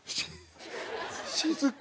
静か。